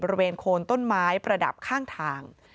บริเวณโคนต้นไม้ประดับข้างทาง